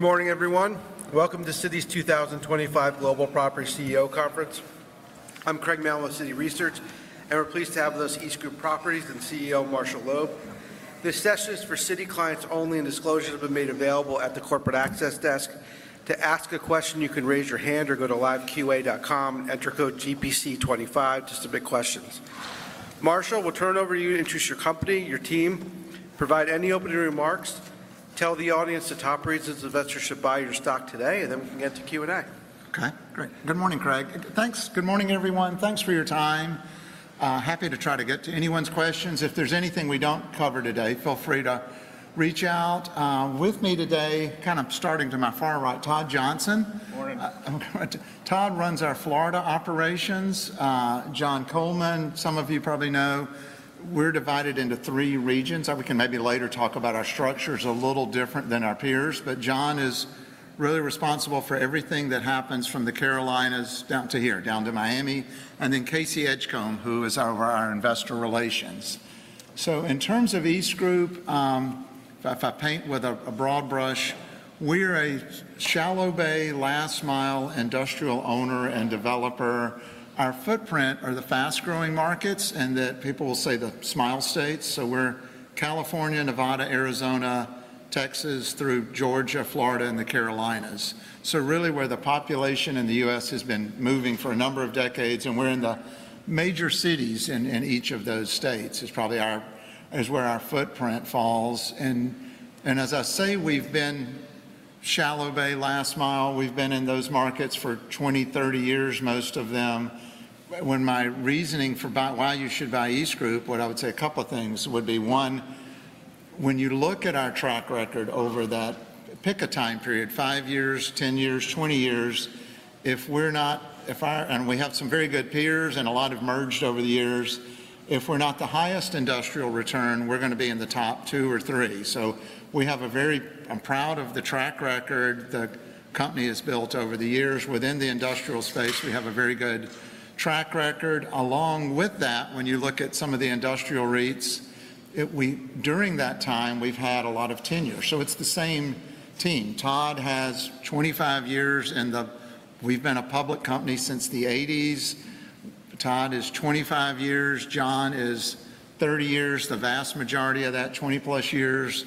Good morning, everyone. Welcome to Citi 2025 Global Property CEO Conference. I'm Craig Mailman with Citi Research, and we're pleased to have with us EastGroup Properties and CEO Marshall Loeb. This session is for Citi clients only, and disclosures have been made available at the corporate access desk. To ask a question, you can raise your hand or go to liveqa.com and enter code GPC25 to submit questions. Marshall, we'll turn it over to you to introduce your company, your team, provide any opening remarks, tell the audience the top reasons investors should buy your stock today, and then we can get to Q&A. Okay, great. Good morning, Craig. Thanks. Good morning, everyone. Thanks for your time. Happy to try to get to anyone's questions. If there's anything we don't cover today, feel free to reach out. With me today, kind of starting to my far right, Todd Johnson. Morning. Todd runs our Florida operations. John Coleman, some of you probably know, we're divided into three regions. We can maybe later talk about our structures a little different than our peers, but John is really responsible for everything that happens from the Carolinas down to here, down to Miami, and then Casey Edgecombe, who is over our investor relations, so in terms of EastGroup, if I paint with a broad brush, we're a shallow bay last mile industrial owner and developer. Our footprint are the fast-growing markets and that people will say the Smile states, so we're California, Nevada, Arizona, Texas, through Georgia, Florida, and the Carolinas, so really where the population in the U.S. has been moving for a number of decades, and we're in the major cities in each of those states is probably where our footprint falls, and as I say, we've been shallow bay last mile. We've been in those markets for 20, 30 years, most of them. When my reasoning for why you should buy EastGroup, what I would say a couple of things would be, one, when you look at our track record over that pick a time period, five years, 10 years, 20 years, if we're not, and we have some very good peers and a lot have merged over the years, if we're not the highest industrial return, we're going to be in the top two or three. So we have a very, I'm proud of the track record the company has built over the years within the industrial space. We have a very good track record. Along with that, when you look at some of the industrial REITs, during that time, we've had a lot of tenure. So it's the same team. Todd has 25 years in the, we've been a public company since the 1980s. Todd is 25 years. John is 30 years, the vast majority of that, 20+ years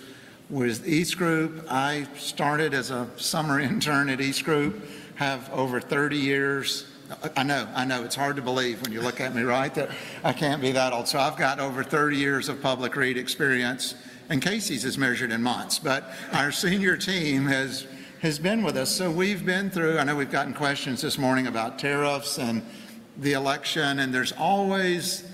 with EastGroup. I started as a summer intern at EastGroup, have over 30 years. I know, I know. It's hard to believe when you look at me, right? I can't be that old. So I've got over 30 years of public REIT experience. Casey's is measured in months, but our senior team has been with us. So we've been through, I know we've gotten questions this morning about tariffs and the election, and there's always,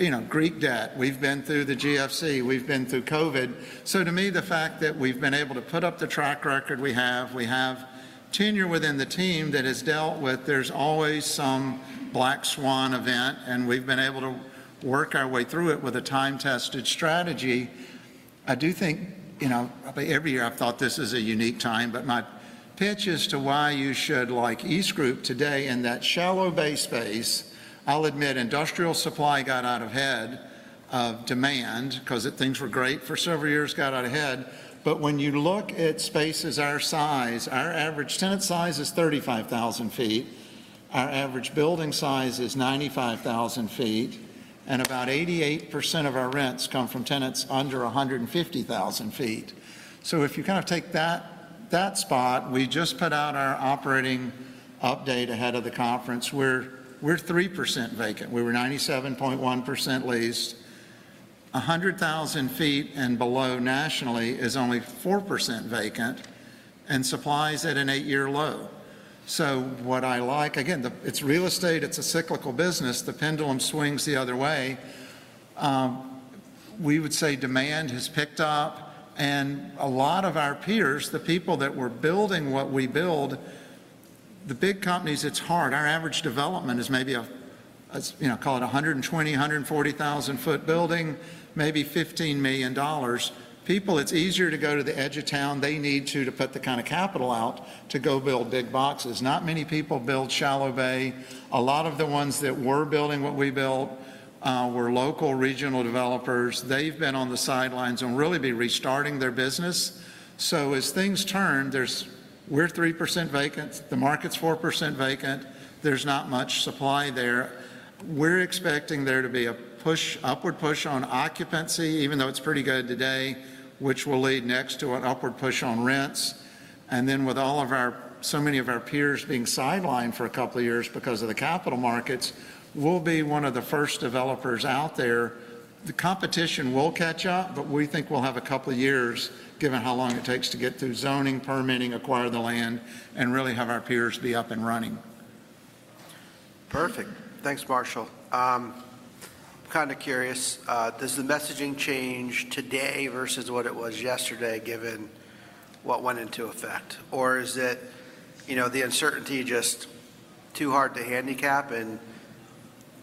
you know, Greek debt. We've been through the GFC. We've been through COVID. So to me, the fact that we've been able to put up the track record we have, we have tenure within the team that has dealt with, there's always some black swan event, and we've been able to work our way through it with a time-tested strategy. I do think, you know, every year I've thought this is a unique time, but my pitch is to why you should like EastGroup today in that shallow bay space. I'll admit industrial supply got out ahead of demand because things were great for several years, got out ahead. But when you look at spaces our size, our average tenant size is 35,000 sq ft. Our average building size is 95,000 sq ft, and about 88% of our rents come from tenants under 150,000 sq ft. So if you kind of take that spot, we just put out our operating update ahead of the conference. We're 3% vacant. We were 97.1% leased. 100,000 sq ft and below nationally is only 4% vacant and supplies at an eight-year low. So what I like, again, it's real estate. It's a cyclical business. The pendulum swings the other way. We would say demand has picked up, and a lot of our peers, the people that were building what we build, the big companies, it's hard. Our average development is maybe a, you know, call it a 120,000, 140,000 sq ft building, maybe $15 million. People, it's easier to go to the edge of town. They need to, to put the kind of capital out to go build big boxes. Not many people build shallow bay. A lot of the ones that were building what we built were local, regional developers. They've been on the sidelines and really been restarting their business. So as things turn, there's we're 3% vacant. The market's 4% vacant. There's not much supply there. We're expecting there to be a push, upward push on occupancy, even though it's pretty good today, which will lead next to an upward push on rents. And then with all of our, so many of our peers being sidelined for a couple of years because of the capital markets, we'll be one of the first developers out there. The competition will catch up, but we think we'll have a couple of years given how long it takes to get through zoning, permitting, acquire the land, and really have our peers be up and running. Perfect. Thanks, Marshall. I'm kind of curious, does the messaging change today versus what it was yesterday given what went into effect? Or is it, you know, the uncertainty just too hard to handicap? And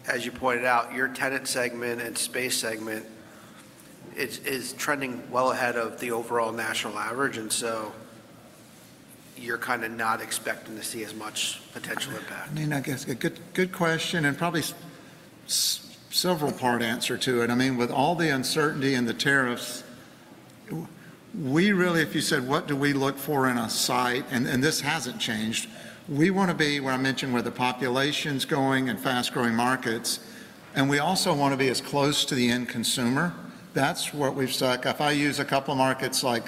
as you pointed out, your tenant segment and space segment is trending well ahead of the overall national average. And so you're kind of not expecting to see as much potential impact. I mean, I guess a good question and probably several-part answer to it. I mean, with all the uncertainty and the tariffs, we really, if you said, what do we look for in a site, and this hasn't changed, we want to be, what I mentioned, where the population's going and fast-growing markets, and we also want to be as close to the end consumer. That's what we've stuck. If I use a couple of markets like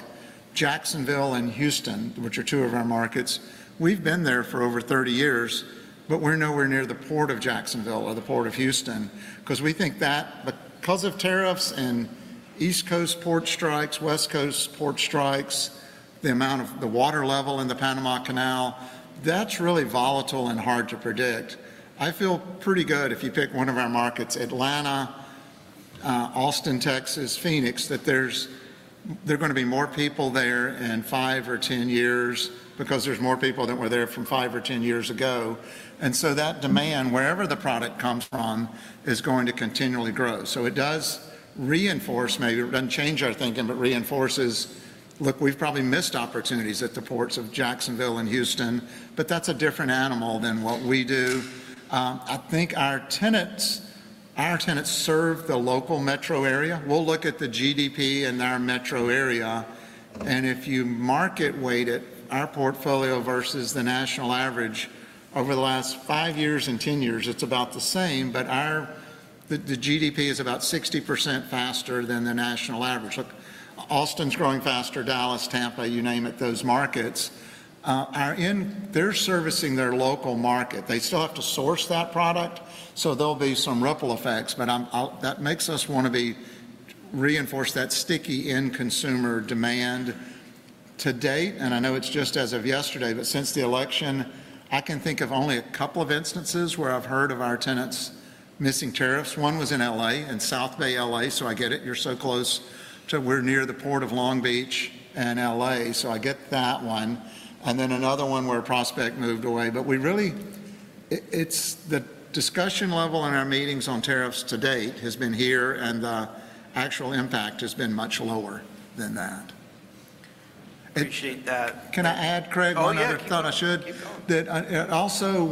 Jacksonville and Houston, which are two of our markets, we've been there for over 30 years, but we're nowhere near the Port of Jacksonville or the Port of Houston because we think that because of tariffs and East Coast port strikes, West Coast port strikes, the amount of the water level in the Panama Canal, that's really volatile and hard to predict. I feel pretty good if you pick one of our markets, Atlanta, Austin, Texas, Phoenix, that there's going to be more people there in five or 10 years because there's more people than were there from five or 10 years ago, and so that demand, wherever the product comes from, is going to continually grow, so it does reinforce, maybe it doesn't change our thinking, but reinforces, look, we've probably missed opportunities at the ports of Jacksonville and Houston, but that's a different animal than what we do. I think our tenants serve the local metro area. We'll look at the GDP in our metro area, and if you market weight it, our portfolio versus the national average over the last five years and 10 years, it's about the same, but our, the GDP is about 60% faster than the national average. Look, Austin's growing faster, Dallas, Tampa, you name it, those markets, they're servicing their local market. They still have to source that product, so there'll be some ripple effects, but that makes us want to be reinforced, that sticky end consumer demand to date. And I know it's just as of yesterday, but since the election, I can think of only a couple of instances where I've heard of our tenants missing tariffs. One was in LA, in South Bay, LA. So I get it. You're so close to, we're near the Port of Long Beach and LA. So I get that one. And then another one where a prospect moved away. But we really, it's the discussion level in our meetings on tariffs to date has been here, and the actual impact has been much lower than that. Appreciate that. Can I add, Craig, one other thought I should? Oh, yeah. Keep going. That, also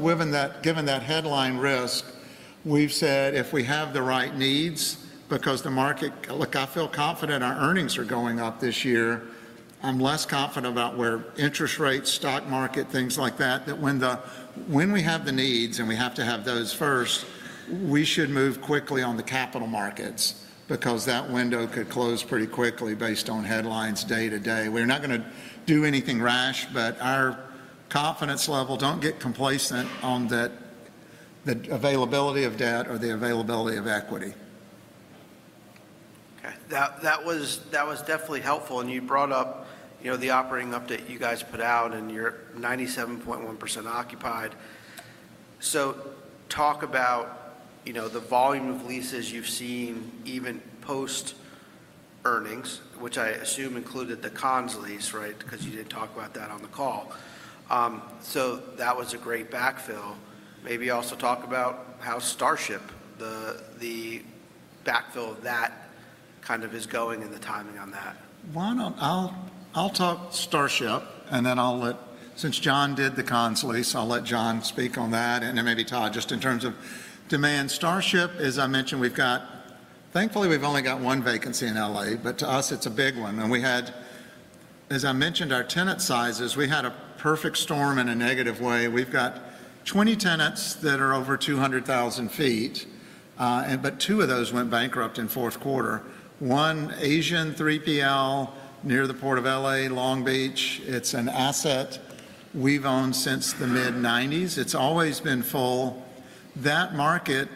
given that headline risk, we've said if we have the right needs, because the market, look, I feel confident our earnings are going up this year. I'm less confident about where interest rates, stock market, things like that, that when we have the needs and we have to have those first, we should move quickly on the capital markets because that window could close pretty quickly based on headlines day to day. We're not going to do anything rash, but our confidence level. Don't get complacent on the availability of debt or the availability of equity. Okay. That was definitely helpful, and you brought up, you know, the operating update you guys put out and you're 97.1% occupied, so talk about, you know, the volume of leases you've seen even post earnings, which I assume included the Conn's lease, right? Because you didn't talk about that on the call. So that was a great backfill. Maybe also talk about how Starship, the backfill of that kind of is going and the timing on that. Why don't I talk Starship and then I'll let, since John did the Conn's lease, I'll let John speak on that and then maybe Todd just in terms of demand. Starship, as I mentioned, we've got, thankfully we've only got one vacancy in LA, but to us it's a big one. We had, as I mentioned, our tenant sizes, we had a perfect storm in a negative way. We've got 20 tenants that are over 200,000 sq ft, but two of those went bankrupt in fourth quarter. One Asian 3PL near the port of LA, Long Beach. It's an asset we've owned since the mid-1990s. It's always been full. That market,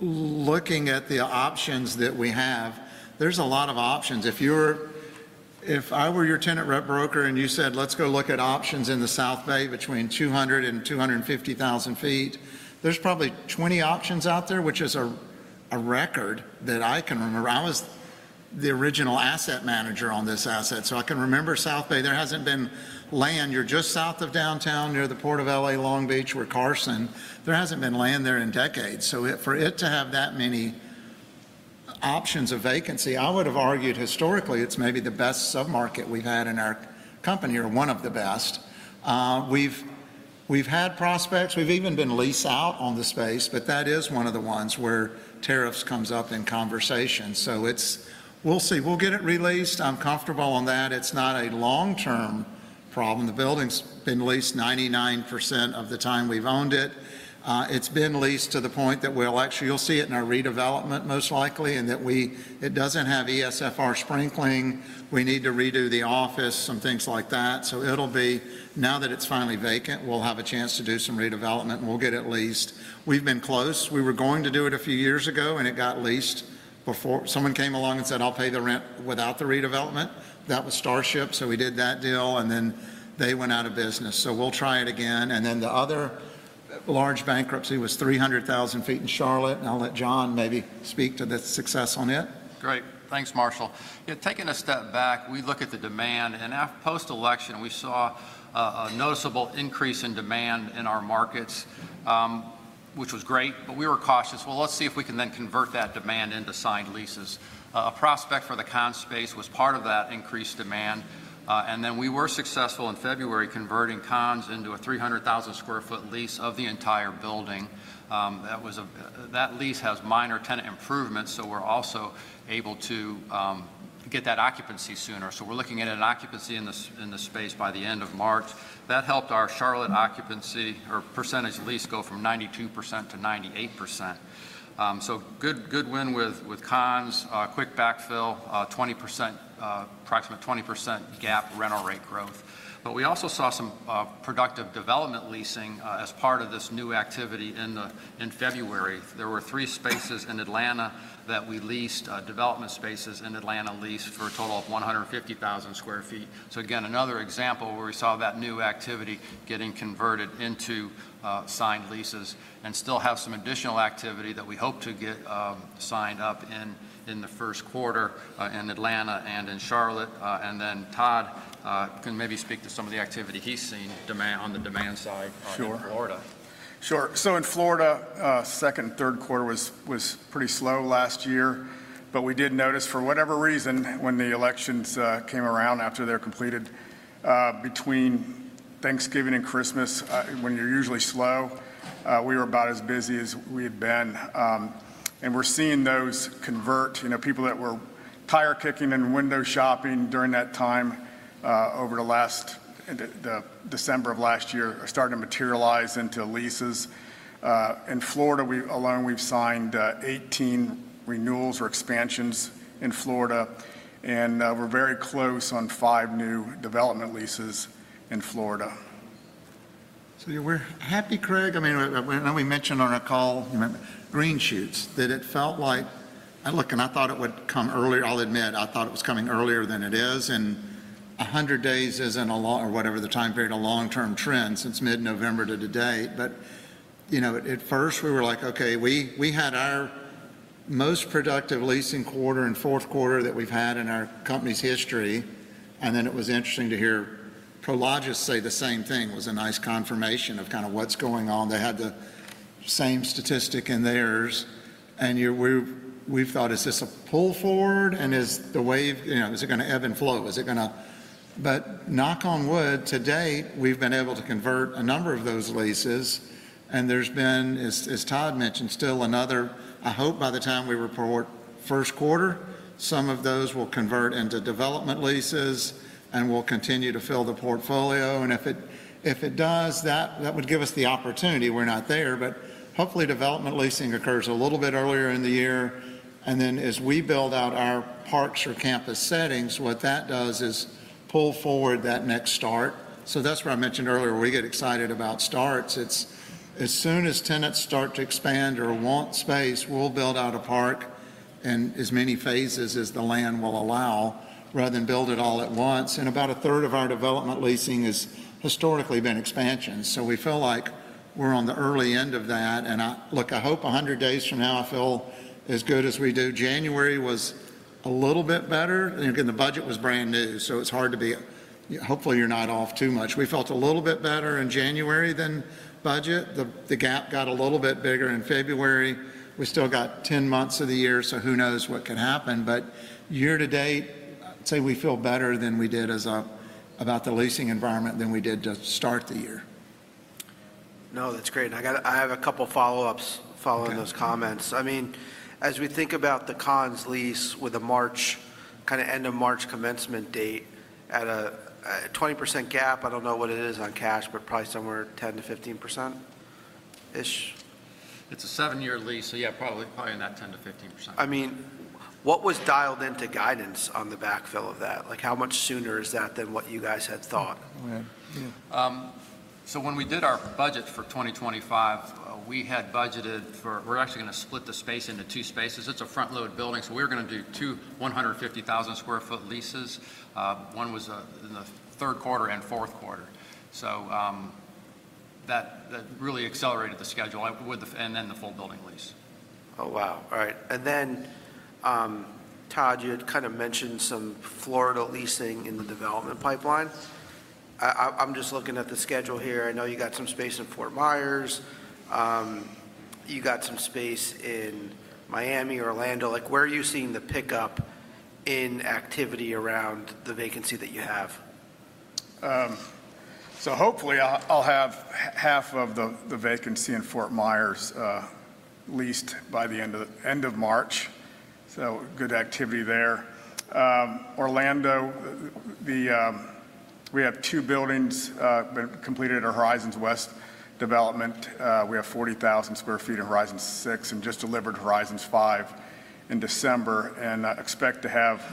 looking at the options that we have, there's a lot of options. If you're, if I were your tenant rep broker and you said, let's go look at options in the South Bay between 200,000-250,000 sq ft, there's probably 20 options out there, which is a record that I can remember. I was the original asset manager on this asset. So I can remember South Bay there hasn't been land you're just south of downtown near the port of LA, Long Beach, we're Carson, there hasn't been land there in decades. So for it to have that many options of vacancy, I would have argued historically it's maybe the best submarket we've had in our company or one of the best. We've had prospects. We've even been leased out on the space, but that is one of the ones where tariffs comes up in conversation. So it's, we'll see, we'll get it released. I'm comfortable on that. It's not a long-term problem. The building's been leased 99% of the time we've owned it. It's been leased to the point that we'll actually, you'll see it in our redevelopment most likely and that we, it doesn't have ESFR sprinkling. We need to redo the office, some things like that. So it'll be, now that it's finally vacant, we'll have a chance to do some redevelopment and we'll get it leased. We've been close. We were going to do it a few years ago and it got leased before someone came along and said, I'll pay the rent without the redevelopment. That was Starship. So we did that deal and then they went out of business. So we'll try it again, and then the other large bankruptcy was 300,000 sq ft in Charlotte, and I'll let John maybe speak to the success on it. Great. Thanks, Marshall. Yeah, taking a step back, we look at the demand and post-election, we saw a noticeable increase in demand in our markets, which was great, but we were cautious. Well, let's see if we can then convert that demand into signed leases. A prospect for the Conn's space was part of that increased demand. And then we were successful in February converting Conn's into a 300,000 sq ft lease of the entire building. That lease has minor tenant improvements. So we're also able to get that occupancy sooner. So we're looking at an occupancy in the space by the end of March. That helped our Charlotte occupancy or percent leased go from 92%-98%. So good win with Conn's, quick backfill, approximately 20% gap rental rate growth. But we also saw some productive development leasing as part of this new activity in February. There were three spaces in Atlanta that we leased, development spaces in Atlanta leased for a total of 150,000 sq ft. So again, another example where we saw that new activity getting converted into signed leases and still have some additional activity that we hope to get signed up in the first quarter in Atlanta and in Charlotte. Then Todd can maybe speak to some of the activity he's seen on the demand side in Florida. Sure. So in Florida, second and third quarter was pretty slow last year, but we did notice for whatever reason when the elections came around after they're completed between Thanksgiving and Christmas, when you're usually slow, we were about as busy as we had been. And we're seeing those convert, you know, people that were tire kicking and window shopping during that time over the last December of last year are starting to materialize into leases. In Florida, we alone, we've signed 18 renewals or expansions in Florida. And we're very close on five new development leases in Florida. So we're happy, Craig. I mean, when we mentioned on our call, you know, green shoots, that it felt like, I look and I thought it would come earlier. I'll admit, I thought it was coming earlier than it is. And 100 days isn't a long or whatever the time period, a long-term trend since mid-November to today. But, you know, at first we were like, okay, we had our most productive leasing quarter and fourth quarter that we've had in our company's history. And then it was interesting to hear Prologis say the same thing was a nice confirmation of kind of what's going on. They had the same statistic in theirs. And we've thought, is this a pull forward? And is the wave, you know, is it going to ebb and flow? Is it going to? But knock on wood, to date, we've been able to convert a number of those leases. And there's been, as Todd mentioned, still another. I hope by the time we report first quarter, some of those will convert into development leases and we'll continue to fill the portfolio. And if it does, that would give us the opportunity. We're not there, but hopefully development leasing occurs a little bit earlier in the year. And then as we build out our parks or campus settings, what that does is pull forward that next start. So that's what I mentioned earlier. We get excited about starts. It's as soon as tenants start to expand or want space, we'll build out a park in as many phases as the land will allow rather than build it all at once. And about a third of our development leasing has historically been expansions. So we feel like we're on the early end of that. And look, I hope 100 days from now I feel as good as we do. January was a little bit better. And again, the budget was brand new. So it's hard to be, hopefully you're not off too much. We felt a little bit better in January than budget. The gap got a little bit bigger in February. We still got 10 months of the year. So who knows what could happen? But year to date, I'd say we feel better than we did as a, about the leasing environment than we did to start the year. Now, that's great. And I got to, I have a couple of follow-ups following those comments. I mean, as we think about the cons lease with a March, kind of end of March commencement date at a 20% gap, I don't know what it is on cash, but probably somewhere 10%-15%. It's a seven-year lease, so yeah, probably in that 10%-15%. I mean, what was dialed into guidance on the backfill of that? Like how much sooner is that than what you guys had thought? So when we did our budget for 2025, we had budgeted for. We're actually going to split the space into two spaces. It's a front-load building. So we were going to do two 150,000 sq ft leases. One was in the third quarter and fourth quarter. So that really accelerated the schedule and then the full building lease. Oh, wow. All right. And then Todd, you had kind of mentioned some Florida leasing in the development pipeline. I'm just looking at the schedule here. I know you got some space in Fort Myers. You got some space in Miami, Orlando. Like where are you seeing the pickup in activity around the vacancy that you have? Hopefully I'll have half of the vacancy in Fort Myers leased by the end of March. Good activity there. Orlando, we have two buildings completed at Horizon West development. We have 40,000 sq ft in Horizon 6 and just delivered Horizon 5 in December and expect to have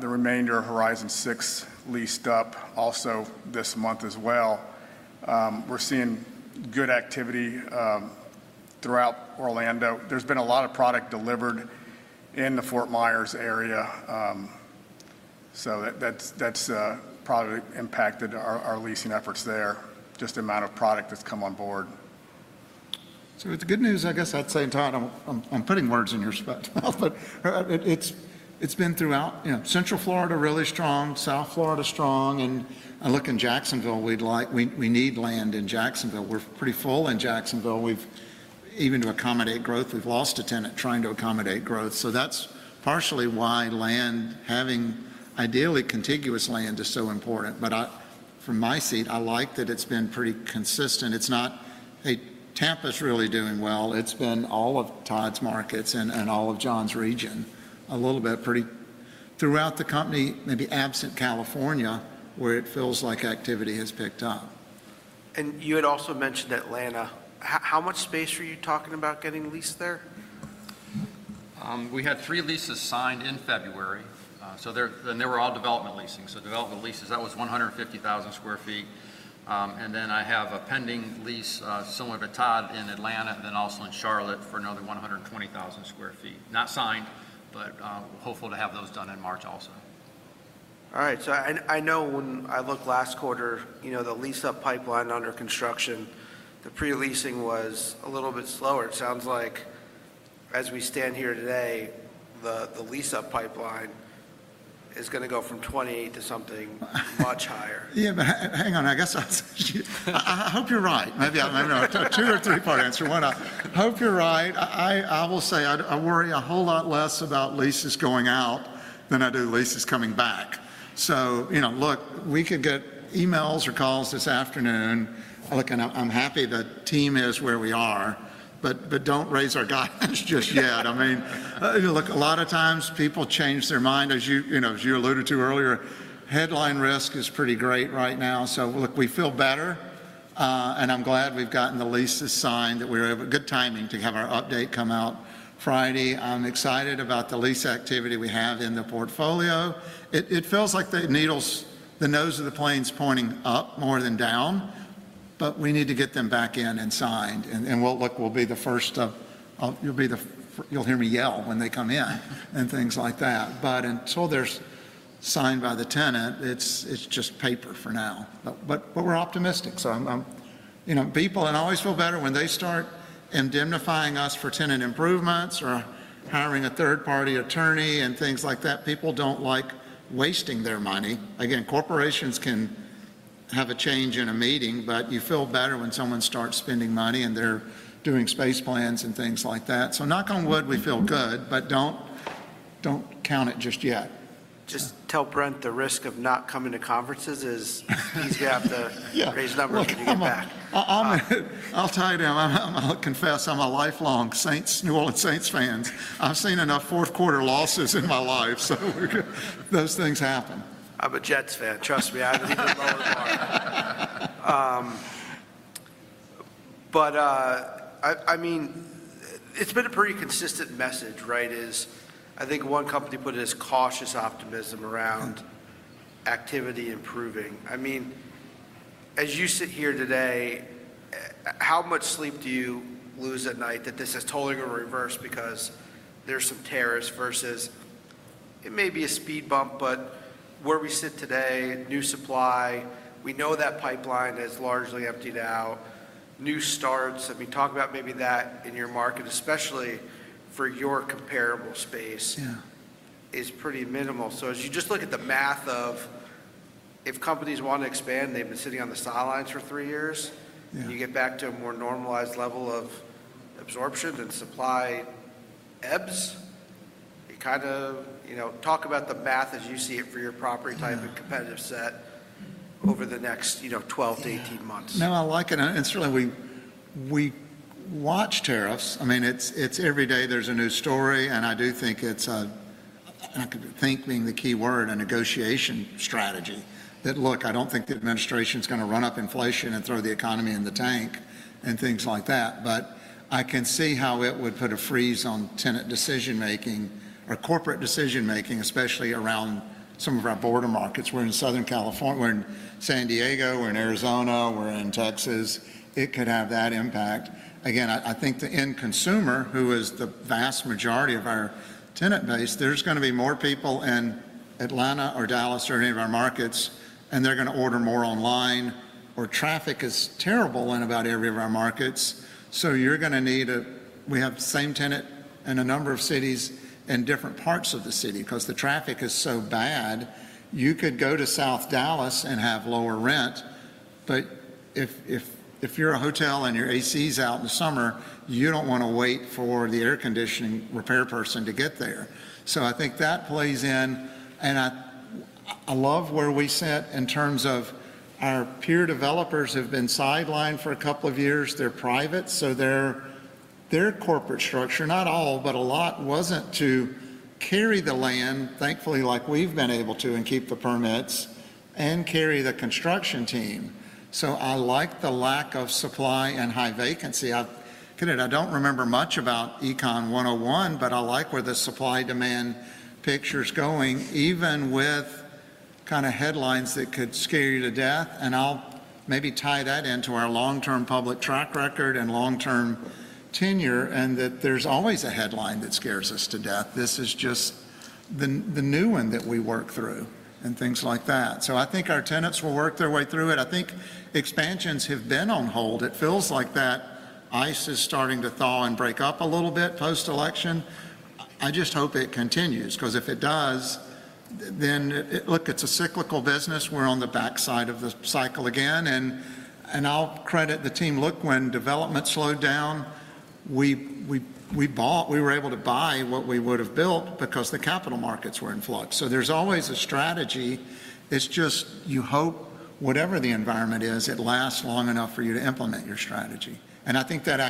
the remainder of Horizon 6 leased up also this month as well. We're seeing good activity throughout Orlando. There's been a lot of product delivered in the Fort Myers area. That's probably impacted our leasing efforts there, just the amount of product that's come on board. It's good news. I guess I'd say, Todd, I'm putting words in your mouth. It's been throughout, you know, Central Florida really strong, South Florida strong. I look in Jacksonville; we need land in Jacksonville. We're pretty full in Jacksonville. Even to accommodate growth, we've lost a tenant trying to accommodate growth. That's partially why land, having ideally contiguous land, is so important. From my seat, I like that it's been pretty consistent. It's not just Tampa's really doing well. It's been all of Todd's markets and all of John's region a little bit pretty throughout the company, maybe absent California where it feels like activity has picked up. You had also mentioned Atlanta. How much space were you talking about getting leased there? We had three leases signed in February. So then they were all development leasing. So development leases, that was 150,000 sq ft. And then I have a pending lease similar to Todd in Atlanta and then also in Charlotte for another 120,000 sq ft. Not signed, but hopeful to have those done in March also. All right. So I know when I looked last quarter, you know, the lease-up pipeline under construction, the pre-leasing was a little bit slower. It sounds like as we stand here today, the lease-up pipeline is going to go from 20 to something much higher. Yeah, but hang on. I guess I'll say, I hope you're right. Maybe I'll have two or three part answer. I hope you're right. I will say I worry a whole lot less about leases going out than I do leases coming back. So, you know, look, we could get emails or calls this afternoon. Look, and I'm happy the team is where we are, but don't raise our guidance just yet. I mean, look, a lot of times people change their mind as you, you know, as you alluded to earlier, headline risk is pretty great right now. So look, we feel better and I'm glad we've gotten the leases signed that we were able, good timing to have our update come out Friday. I'm excited about the lease activity we have in the portfolio. It feels like the needles, the nose of the plane's pointing up more than down, but we need to get them back in and signed. And we'll look, we'll be the first, you'll hear me yell when they come in and things like that. But until they're signed by the tenant, it's just paper for now. But we're optimistic. So, you know, people, and I always feel better when they start indemnifying us for tenant improvements or hiring a third-party attorney and things like that. People don't like wasting their money. Again, corporations can have a change in a meeting, but you feel better when someone starts spending money and they're doing space plans and things like that. So knock on wood, we feel good, but don't count it just yet. Just tell Brent the risk of not coming to conferences is he's got to raise numbers to get back. I'll tie it down. I'll confess, I'm a lifelong Saints, New Orleans Saints fan. I've seen enough fourth quarter losses in my life. So those things happen. I'm a Jets fan. Trust me, I've even lowered more. But I mean, it's been a pretty consistent message, right? I think one company put it as cautious optimism around activity improving. I mean, as you sit here today, how much sleep do you lose at night that this is totally going to reverse because there's some tariffs versus it may be a speed bump, but where we sit today, new supply, we know that pipeline is largely emptied out. New starts, I mean, talk about maybe that in your market, especially for your comparable space, is pretty minimal. So as you just look at the math of if companies want to expand, they've been sitting on the sidelines for three years. You get back to a more normalized level of absorption and supply ebbs. You kind of, you know, talk about the math as you see it for your property type of competitive set over the next, you know, 12-18 months. No, I like it and certainly we watch tariffs. I mean, it's every day there's a new story and I do think it's, I think, being the key word, a negotiation strategy that, look, I don't think the administration's going to run up inflation and throw the economy in the tank and things like that, but I can see how it would put a freeze on tenant decision-making or corporate decision-making, especially around some of our border markets. We're in Southern California, we're in San Diego, we're in Arizona, we're in Texas. It could have that impact. Again, I think the end consumer, who is the vast majority of our tenant base, there's going to be more people in Atlanta or Dallas or any of our markets, and they're going to order more online or traffic is terrible in about every of our markets. You're going to need a. We have the same tenant in a number of cities in different parts of the city because the traffic is so bad. You could go to South Dallas and have lower rent, but if you're a hotel and your ACs out in the summer, you don't want to wait for the air conditioning repair person to get there. So I think that plays in. I love where we sit in terms of our peer developers have been sidelined for a couple of years. They're private. So their corporate structure, not all, but a lot wasn't to carry the land, thankfully, like we've been able to and keep the permits and carry the construction team. So I like the lack of supply and high vacancy. I don't remember much about Econ 101, but I like where the supply demand picture's going, even with kind of headlines that could scare you to death, and I'll maybe tie that into our long-term public track record and long-term tenure and that there's always a headline that scares us to death. This is just the new one that we work through and things like that, so I think our tenants will work their way through it. I think expansions have been on hold. It feels like that ice is starting to thaw and break up a little bit post-election. I just hope it continues because if it does, then look, it's a cyclical business. We're on the backside of the cycle again, and I'll credit the team. Look, when development slowed down, we were able to buy what we would have built because the capital markets were in flux. So there's always a strategy. It's just you hope whatever the environment is, it lasts long enough for you to implement your strategy. And I think that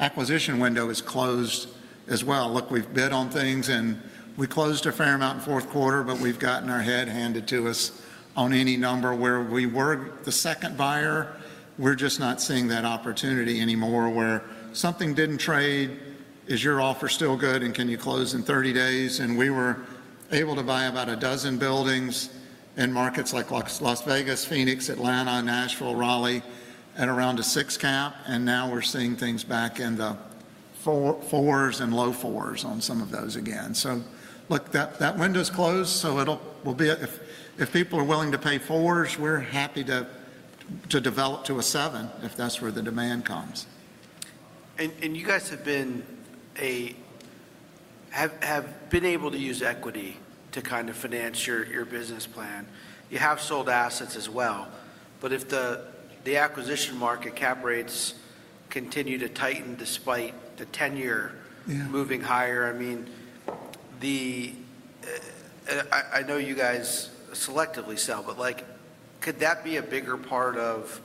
acquisition window is closed as well. Look, we've bid on things and we closed a fair amount in fourth quarter, but we've gotten our head handed to us on any number where we were the second buyer. We're just not seeing that opportunity anymore where something didn't trade. Is your offer still good and can you close in 30 days? And we were able to buy about a dozen buildings in markets like Las Vegas, Phoenix, Atlanta, Nashville, Raleigh at around a six cap. And now we're seeing things back in the fours and low fours on some of those again. So look, that window's closed. So, if people are willing to pay fours, we're happy to develop to a seven if that's where the demand comes. You guys have been able to use equity to kind of finance your business plan. You have sold assets as well. If the acquisition market cap rates continue to tighten despite the 10-year moving higher, I mean, I know you guys selectively sell, but like could that be a bigger part of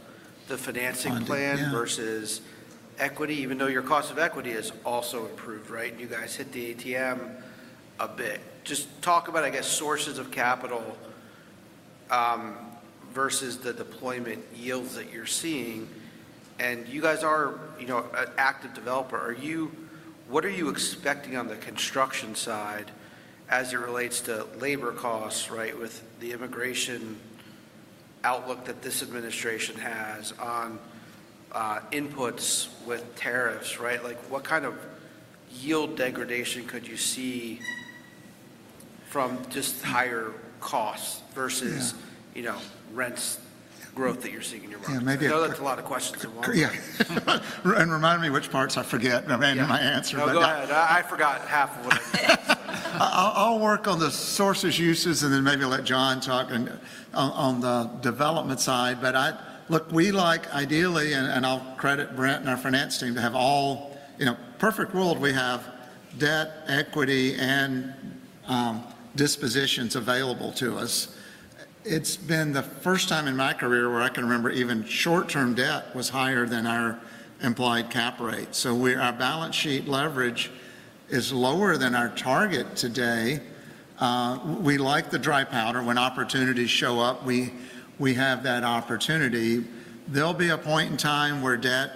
the financing plan versus equity, even though your cost of equity has also improved, right? You guys hit the ATM a bit. Just talk about, I guess, sources of capital versus the deployment yields that you're seeing. You guys are, you know, an active developer. What are you expecting on the construction side as it relates to labor costs, right, with the immigration outlook that this administration has on inputs with tariffs, right? Like what kind of yield degradation could you see from just higher costs versus, you know, rents growth that you're seeing in your market? I know that's a lot of questions in one. Yeah, and remind me which parts I forget. I'm handing my answer. No, go ahead. I forgot half of what I said. I'll work on the sources, uses, and then maybe let John talk on the development side. But look, we like, ideally, and I'll credit Brent and our finance team to have all, you know, perfect world, we have debt, equity, and dispositions available to us. It's been the first time in my career where I can remember even short-term debt was higher than our implied cap rate. So our balance sheet leverage is lower than our target today. We like the dry powder. When opportunities show up, we have that opportunity. There'll be a point in time where debt,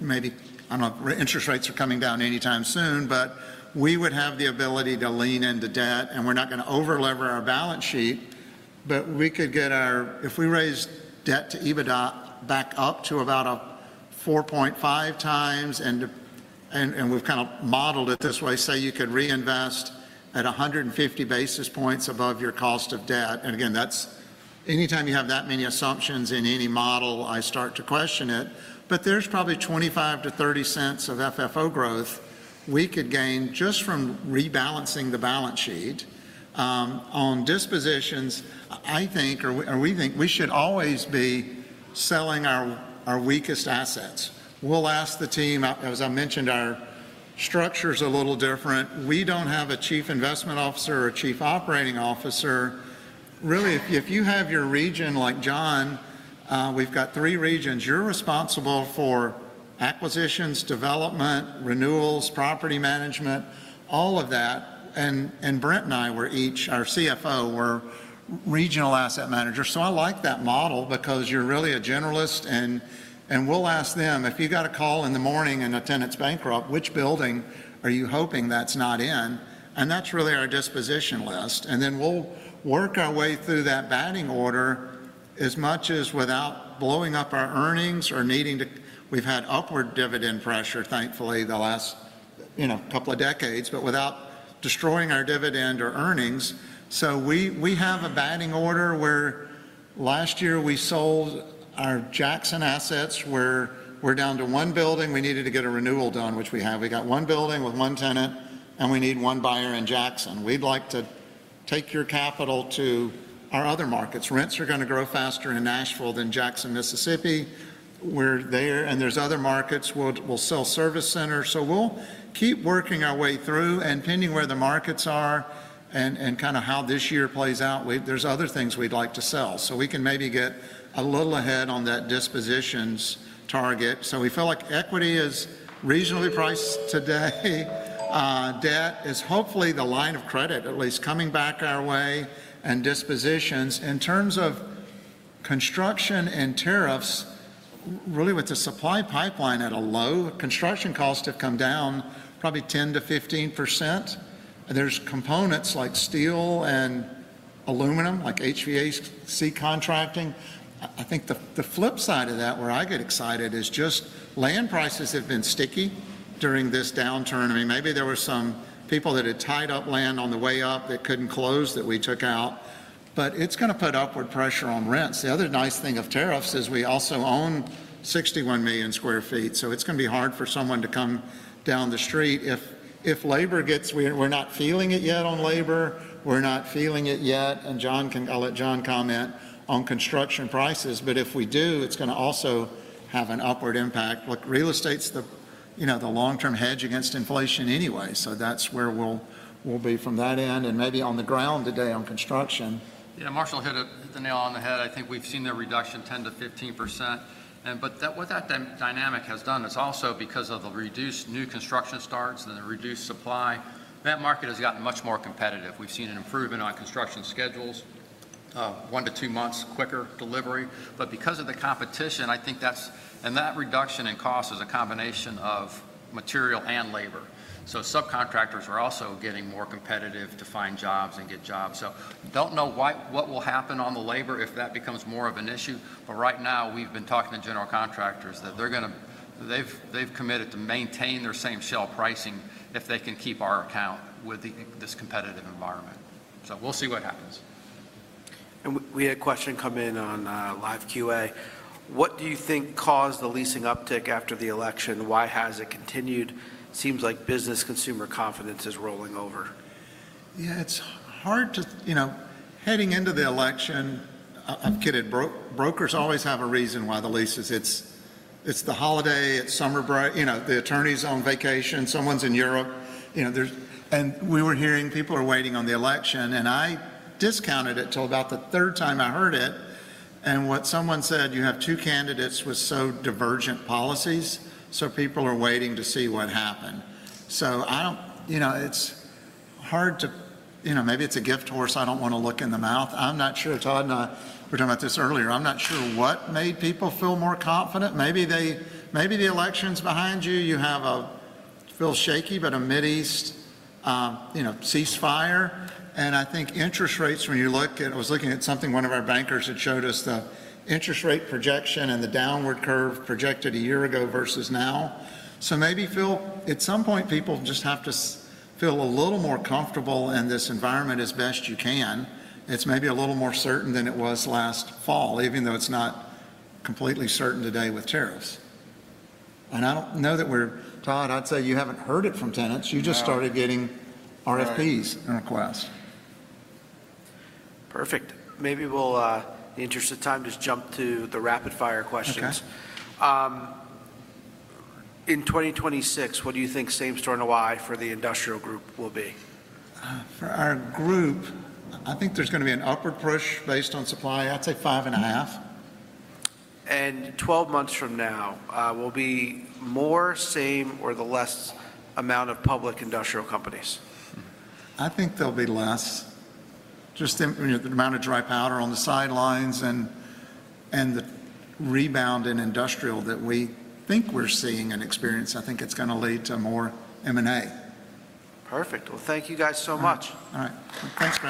maybe, I don't know, interest rates are coming down anytime soon, but we would have the ability to lean into debt and we're not going to over-lever our balance sheet, but we could get our, if we raise debt to EBITDA back up to about a 4.5x and we've kind of modeled it this way, say you could reinvest at 150 basis points above your cost of debt, and again, that's anytime you have that many assumptions in any model, I start to question it, but there's probably $0.25-$0.30 of FFO growth we could gain just from rebalancing the balance sheet. On dispositions, I think, or we think we should always be selling our weakest assets. We'll ask the team. As I mentioned, our structure's a little different. We don't have a Chief Investment Officer or a Chief Operating Officer. Really, if you have your region like John, we've got three regions. You're responsible for acquisitions, development, renewals, property management, all of that, and Brent and I were each, our CFO, were regional asset managers, so I like that model because you're really a generalist. And we'll ask them if you got a call in the morning and a tenant's bankrupt, which building are you hoping that's not in. And that's really our disposition list. And then we'll work our way through that batting order as much as without blowing up our earnings or needing to. We've had upward dividend pressure, thankfully, the last, you know, couple of decades, but without destroying our dividend or earnings. So we have a batting order where last year we sold our Jackson assets where we're down to one building. We needed to get a renewal done, which we have. We got one building with one tenant and we need one buyer in Jackson. We'd like to take your capital to our other markets. Rents are going to grow faster in Nashville than Jackson, Mississippi. We're there and there's other markets. We'll sell service centers. So we'll keep working our way through and pending where the markets are and kind of how this year plays out, there's other things we'd like to sell. So we can maybe get a little ahead on that dispositions target. So we feel like equity is reasonably priced today. Debt is hopefully the line of credit, at least coming back our way and dispositions. In terms of construction and tariffs, really with the supply pipeline at a low, construction costs have come down probably 10%-15%. There's components like steel and aluminum, like HVAC contracting. I think the flip side of that where I get excited is just land prices have been sticky during this downturn. I mean, maybe there were some people that had tied up land on the way up that couldn't close that we took out, but it's going to put upward pressure on rents. The other nice thing of tariffs is we also own 61 million sq ft. So it's going to be hard for someone to come down the street if labor gets, we're not feeling it yet on labor. We're not feeling it yet. And John can, I'll let John comment on construction prices, but if we do, it's going to also have an upward impact. Look, real estate's the, you know, the long-term hedge against inflation anyway. So that's where we'll be from that end and maybe on the ground today on construction. You know, Marshall hit the nail on the head. I think we've seen the reduction 10%-15%. But what that dynamic has done is also because of the reduced new construction starts and the reduced supply, that market has gotten much more competitive. We've seen an improvement on construction schedules, one to two months quicker delivery. But because of the competition, I think that's, and that reduction in cost is a combination of material and labor. So subcontractors are also getting more competitive to find jobs and get jobs. So don't know what will happen on the labor if that becomes more of an issue. But right now we've been talking to general contractors that they're going to, they've committed to maintain their same shell pricing if they can keep our account with this competitive environment. So we'll see what happens. We had a question come in on live Q&A. What do you think caused the leasing uptick after the election? Why has it continued? Seems like business consumer confidence is rolling over. Yeah, it's hard to, you know, heading into the election. I'm kidding. Brokers always have a reason why the lease is. It's the holiday. It's summer break. You know, the attorney's on vacation. Someone's in Europe. You know, there's, and we were hearing people are waiting on the election and I discounted it till about the third time I heard it. And what someone said, you have two candidates with so divergent policies. So people are waiting to see what happened. So I don't, you know, it's hard to, you know, maybe it's a gift horse. I don't want to look in the mouth. I'm not sure. Todd and I, we were talking about this earlier. I'm not sure what made people feel more confident. Maybe the election's behind you. You feel shaky, but a Middle East, you know, cease-fire. And I think interest rates, when you look at, I was looking at something. One of our bankers had showed us the interest rate projection and the downward curve projected a year ago versus now. So maybe feel at some point people just have to feel a little more comfortable in this environment as best you can. It's maybe a little more certain than it was last fall, even though it's not completely certain today with tariffs. And I don't know that we're. Todd, I'd say you haven't heard it from tenants. You just started getting RFPs and requests. Perfect. Maybe we'll, in the interest of time, just jump to the rapid fire questions. In 2026, what do you think same store in Hawaii for the industrial group will be? For our group, I think there's going to be an upward push based on supply. I'd say five and a half. And 12 months from now, will be more, same, or the less amount of public industrial companies? I think there'll be less. Just the amount of dry powder on the sidelines and the rebound in industrial that we think we're seeing and experiencing, I think it's going to lead to more M&A. Perfect. Well, thank you guys so much. All right. Thanks.